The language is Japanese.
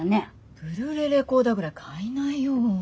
ブルーレイレコーダーぐらい買いなよ。